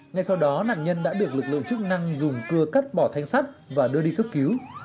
ngay sau đó nạn nhân đã được lực lượng chức năng dùng cưa cắt bỏ thanh sắt và đưa đi cấp cứu